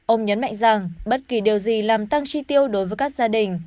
ông nhấn mạnh rằng bất kỳ điều gì làm tăng chi tiêu đối với các gia đình